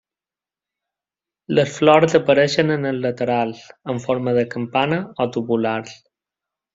Les flors apareixen en els laterals, en forma de campana o tubulars.